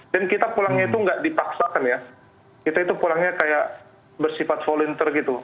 dan kita pulangnya itu tidak dipaksakan ya kita itu pulangnya kayak bersifat volunteer gitu